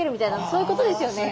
そういうことですよね。